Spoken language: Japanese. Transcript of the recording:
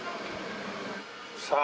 さあ。